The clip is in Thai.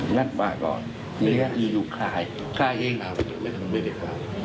งัดบากก่อนอยู่คลายคลายเอง